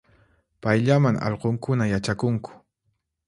Payllaman allqunkuna yachakunku